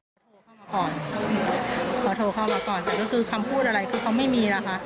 เขาโทรเข้ามาก่อนเขาโทรเข้ามาก่อนแต่ก็คือคำพูดอะไรคือเขาไม่มีนะคะ